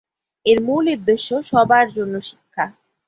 এর মূল উদ্দেশ্য সবার জন্য শিক্ষা।